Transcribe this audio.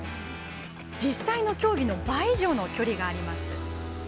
実際の競技の倍以上の距離があります。